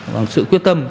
bằng sự quyết tâm